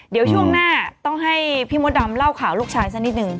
เดี๋ยวช่วงหน้าต้องให้พี่มดดำเล่าข่าวลูกชายสักนิดนึง